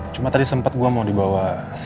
cuma tadi sempat gue mau dibawa